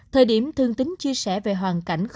thời điểm thương tính chia sẻ về hoàn tất của anh tính